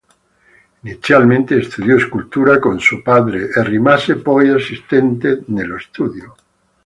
Inizialmente studiò scultura con suo padre e rimase poi assistente nello studio.